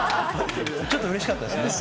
ちょっとうれしかったですね。